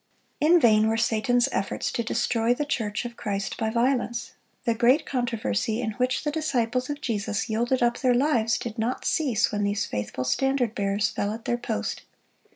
(62) In vain were Satan's efforts to destroy the church of Christ by violence. The great controversy in which the disciples of Jesus yielded up their lives, did not cease when these faithful standard bearers fell at their post.